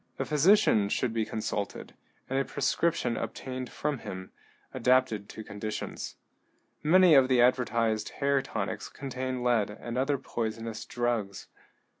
A physician should be consulted, and a prescription obtained from him, adapted to conditions. Many of the advertised hair tonics contain lead and other poisonous drugs.